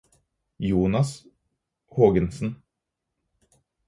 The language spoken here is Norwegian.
Jonas Hågensen